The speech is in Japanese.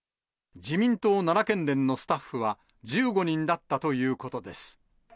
自民党奈良県連のスタッフは１５人だったということです。